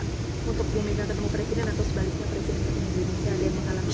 untuk ibu mega ketemu presiden atau sebaliknya presiden ketemu ibu mega